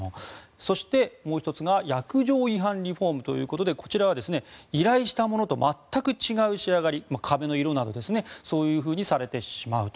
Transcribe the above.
そして、もう１つが約定違反リフォームということでこちらは依頼したものと全く違う仕上がり壁の色などそういうふうにされてしまうと。